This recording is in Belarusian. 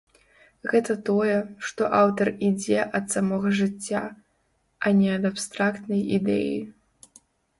Гэта тое, што аўтар ідзе ад самога жыцця, а не ад абстрактнай ідэі.